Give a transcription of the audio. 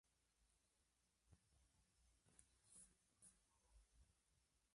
Luego estudia Derecho en la Universidad de Zúrich.